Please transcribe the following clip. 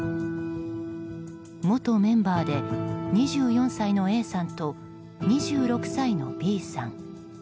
元メンバーで２４歳のＡさんと２６歳のＢさん。